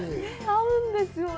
合うんですよね。